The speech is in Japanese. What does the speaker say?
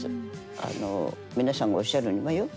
あの皆さんがおっしゃるにはよ。